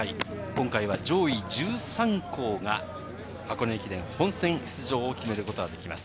今回は上位１３校が箱根駅伝本選出場を決めることができます。